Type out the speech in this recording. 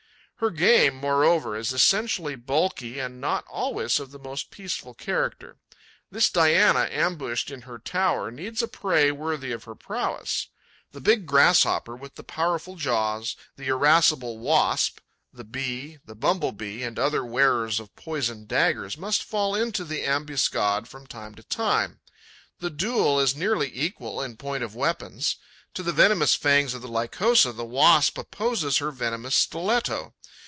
Her game, moreover, is essentially bulky and not always of the most peaceful character. This Diana, ambushed in her tower, needs a prey worthy of her prowess. The big Grasshopper, with the powerful jaws; the irascible Wasp; the Bee, the Bumble bee and other wearers of poisoned daggers must fall into the ambuscade from time to time. The duel is nearly equal in point of weapons. To the venomous fangs of the Lycosa the Wasp opposes her venomous stiletto.